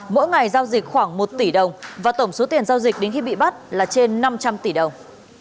mỗi ngày giao dịch khoảng một tỷ đồng và tổng số tiền giao dịch đến khi bị bắt là trên năm trăm linh tỷ đồng